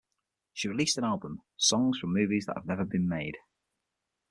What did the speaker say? She released an album, "Songs From Movies That Have Never Been Made".